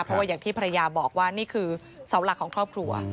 เพราะว่าอย่างที่ภรรยาบอกว่านี่คือเสาหลักของครอบครัว